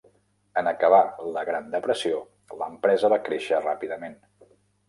En acabar la Gran Depressió, l'empresa va créixer ràpidament.